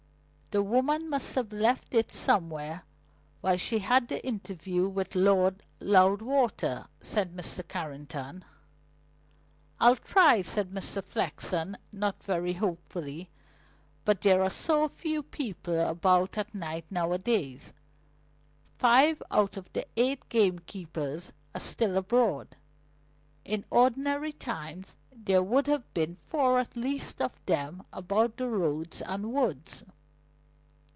The woman must have left it somewhere while she had the interview with Lord Loudwater," said Mr. Carrington. "I'll try," said Mr. Flexen, not very hopefully, "But there are so few people about at night nowadays. Five out of the eight gamekeepers are still abroad. In ordinary times there would have been four at least of them about the roads and woods.